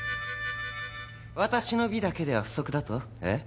私の美だけでは不足だと？